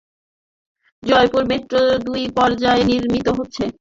Jaipur metro দুটি পর্যায়ে নির্মিত হচ্ছে।